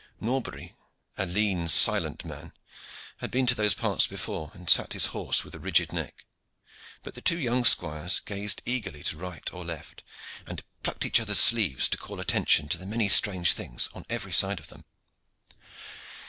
Norbury, a lean, silent man, had been to those parts before, and sat his horse with a rigid neck; but the two young squires gazed eagerly to right or left, and plucked each other's sleeves to call attention to the many strange things on every side of them.